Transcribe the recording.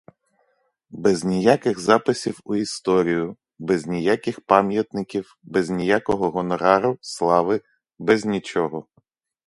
Без ніяких записів у історію, без ніяких пам'ятників, без ніякого гонорару слави, без нічого.